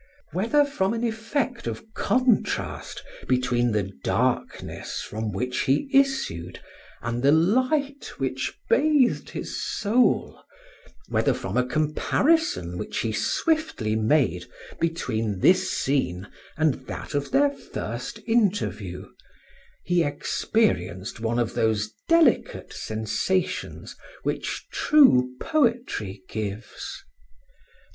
Whether from an effect of contrast between the darkness from which he issued and the light which bathed his soul, whether from a comparison which he swiftly made between this scene and that of their first interview, he experienced one of those delicate sensations which true poetry gives.